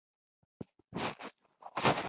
رومیان له سیاسي او اقتصادي حقونو برخمن وو.